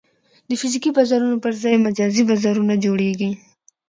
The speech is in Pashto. د فزیکي بازارونو پر ځای مجازي بازارونه جوړېږي.